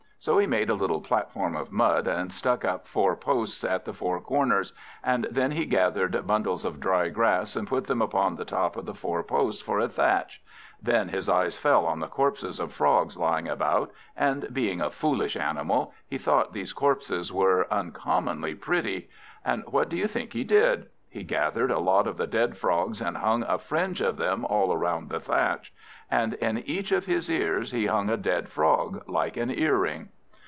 So he made a little platform of mud, and stuck up four posts at the four corners; and then he gathered bundles of dry grass, and put them upon the top of the four posts for a thatch. Then his eye fell on the corpses of Frogs lying about; and being a foolish animal, he thought these corpses were uncommonly pretty. And what do you think he did? He gathered a lot of the dead Frogs and hung a fringe of them all round the thatch; and in each of his ears he hung a dead Frog, like an earring.